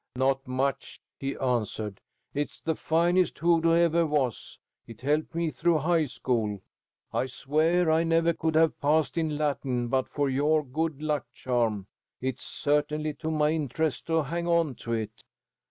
"Not much," he answered. "It's the finest hoodoo ever was. It helped me through high school. I swear I never could have passed in Latin but for your good luck charm. It's certainly to my interest to hang on to it.